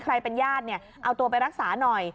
ใครเป็นญาติเนี่ยเอาตัวไปรักษาหน่อย